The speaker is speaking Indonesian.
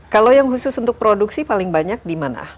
kalau yang khusus untuk produksi paling banyak di mana